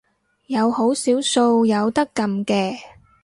有好少數有得撳嘅